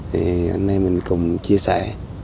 thì hôm nay mình cùng chia sẻ